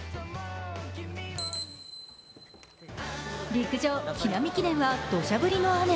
陸上・木南記念は土砂降りの雨。